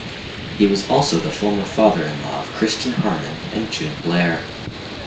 He was also the former father-in-law of Kristin Harmon and June Blair.